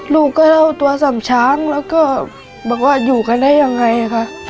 ลูกก็เล่าตัวสำช้างแล้วก็บอกว่าอยู่กันได้ยังไงค่ะ